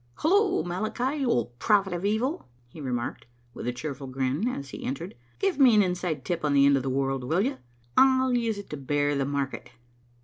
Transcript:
"Hullo, Malachi, you old prophet of evil!" he remarked, with a cheerful grin, as he entered. "Give me an inside tip on the end of the world, will you? I'll use it to bear the market."